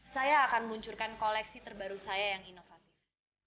saya akan munculkan koleksi terbaru saya yang inovatif